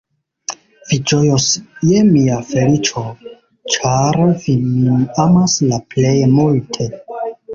Vi ĝojos je mia feliĉo, ĉar vi min amas la plej multe!